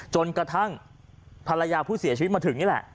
จนกระทั่งภรรยาผู้เสียชีวิตมาถึงนี่แหละ